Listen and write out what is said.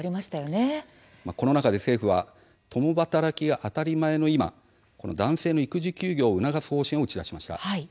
この中で政府は共働きが当たり前の今男性の育児休業を促す方針を打ち出しました。